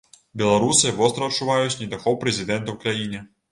Беларусы востра адчуваюць недахоп прэзідэнта ў краіне.